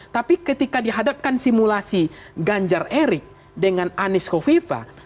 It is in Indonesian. tapi ketika dihadapkan simulasi ganjar erik dengan anies kofifa